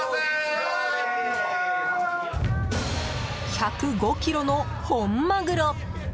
１０５ｋｇの本マグロ！